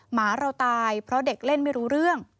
หมาเราตายเพราะเด็กเล่นไม่รู้เรื่อง